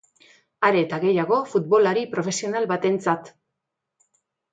Are eta gehiago futbolari profesional batentzat.